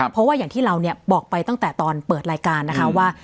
เพราะว่าอย่างที่เราบอกไปตั้งแต่ตอนเปิดรายการนะคะว่า